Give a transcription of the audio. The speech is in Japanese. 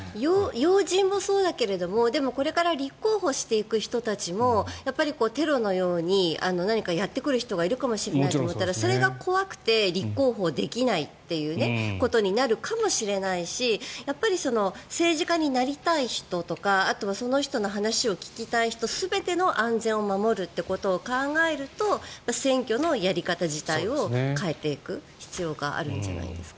要人もそうだけどこれから立候補していく人たちもテロのように何かやってくる人がいるかもしれないと思ったらそれが怖くて立候補できないということになるかもしれないし政治家になりたい人とかあとはその人の話を聞きたい人全ての安全を守ることを考えると選挙のやり方自体を変えていく必要があるんじゃないですか。